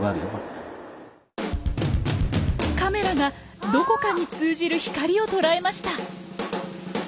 カメラがどこかに通じる光を捉えました。